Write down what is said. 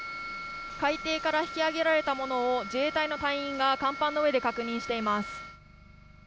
海底から引き揚げられたものを自衛隊の隊員が甲板の上で確認しています。